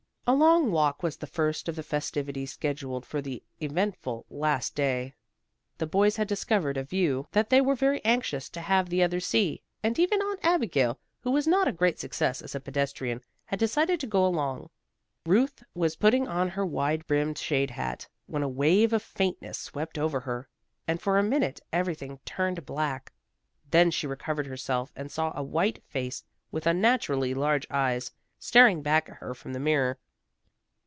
A long walk was the first of the festivities scheduled for the eventful last day. The boys had discovered a view that they were very anxious to have the others see, and even Aunt Abigail, who was not a great success as a pedestrian, had decided to go along. Ruth was putting on her wide brimmed shade hat, when a wave of faintness swept over her, and for a minute everything turned black. Then she recovered herself, and saw a white face with unnaturally large eyes staring back at her from the mirror.